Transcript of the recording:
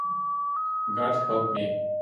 God help me!